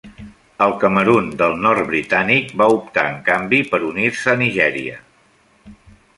El Camerun del nord britànic va optar en canvi per unir-se a Nigèria.